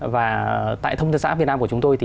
và tại thông tư xã việt nam của chúng tôi